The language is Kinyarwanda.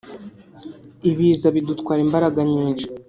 Ibiza bidutwara imbaraga nyinshi